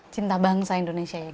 cinta bangsa indonesia ya